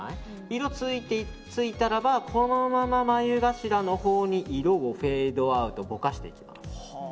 色がついたらばこのまま眉頭のほうに色をフェードアウトぼかしていきます。